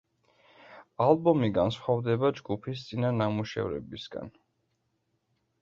ალბომი განსხვავდება ჯგუფის წინა ნამუშევრებისგან.